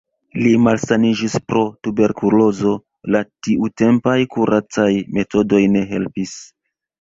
Li malsaniĝis pro tuberkulozo, la tiutempaj kuracaj metodoj ne helpis.